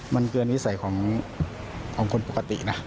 มันเกินนิสัยของคนปกตินะ